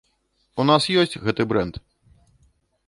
У нас ёсць гэты брэнд.